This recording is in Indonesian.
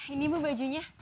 ini ibu bajunya